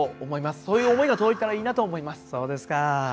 そういう思いが届いたらいいなと思います。